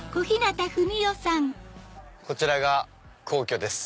こちらが皇居です。